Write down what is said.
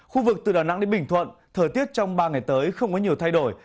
khu vực từ đà nẵng đến bình thuận thời tiết trong ba ngày tới không có nhiều thay đổi